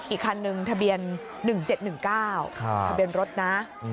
อีกคันนึงทะเบียน๑๗๑๙ทะเบียนรถนะ